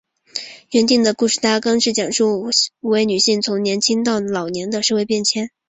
原定的故事大纲是讲述五位女性从年青到老年的社会变迁。